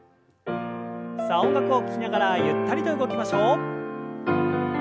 さあ音楽を聞きながらゆったりと動きましょう。